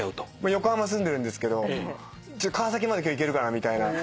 横浜住んでるんですけど川崎まで今日行けるかなみたいな。